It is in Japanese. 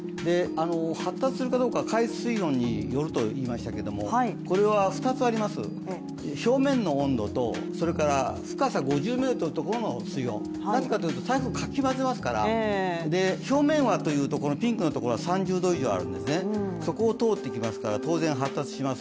発達するかどうかは海水温によるといいましたけど、これは２つあります、表面の温度と深さ５０ｍのところの水温、なぜかというと台風かき混ぜますから、表面、波というと、ピンクのところが３０度以上あるんですね、そこを通ってきますから当然発達します。